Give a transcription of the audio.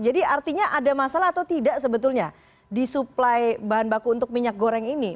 jadi artinya ada masalah atau tidak sebetulnya di supply bahan baku untuk minyak goreng ini